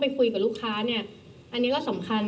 เธออยากให้ชี้แจ่งความจริง